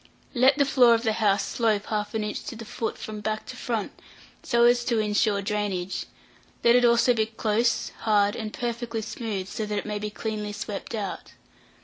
Let the floor of the house slope half an inch to the foot from back to front, so as to insure drainage; let it also be close, hard, and perfectly smooth; so that it may be cleanly swept out.